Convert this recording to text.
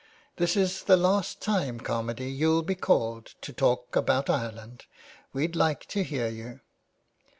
*' This is the last time, Carmady, you'll be called to talk about Ireland. We'd like to hear you."